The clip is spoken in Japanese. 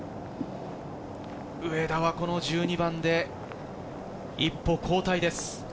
上田はこの１２番で一歩後退です。